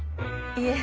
いえ。